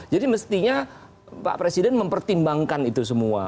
jadi mestinya pak presiden mempertimbangkan itu semua